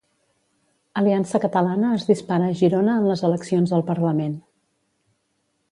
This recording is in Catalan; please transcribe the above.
Aliança Catalana es dispara a Girona en les eleccions al Parlament.